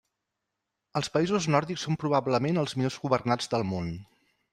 Els països nòrdics són probablement els millors governats del món.